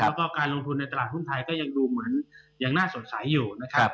แล้วก็การลงทุนในตลาดหุ้นไทยก็ยังดูเหมือนยังน่าสงสัยอยู่นะครับ